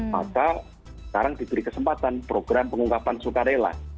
maka sekarang diberi kesempatan program pengungkapan sukarela